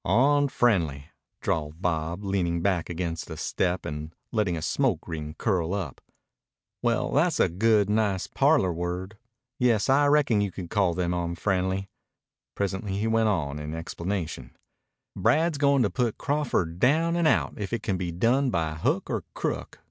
"Onfriendly!" drawled Bob, leaning back against the step and letting a smoke ring curl up. "Well, tha's a good, nice parlor word. Yes, I reckon you could call them onfriendly." Presently he went on, in explanation: "Brad's goin' to put Crawford down and out if it can be done by hook or crook.